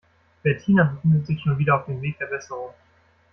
Bettina befindet sich schon wieder auf dem Weg der Besserung.